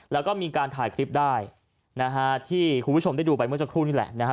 แล้วก็มีการถ่ายคลิปได้นะฮะที่คุณผู้ชมได้ดูไปเมื่อสักครู่นี่แหละนะครับ